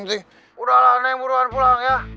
udahlah neng buruan pulang ya